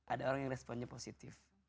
ada orang yang responnya positif